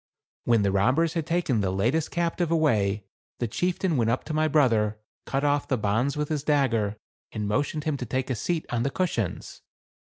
When the robbers had taken the latest captive away, the chieftain went up to my brother, cut off the bonds with his dagger, and motioned him to take a seat on the cushions.